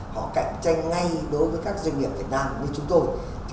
họ cạnh tranh ngay đối với các doanh nghiệp việt nam như chúng tôi